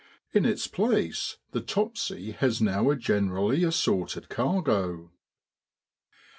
In its place the Topsy has now a generally assorted cargo.